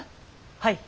はい。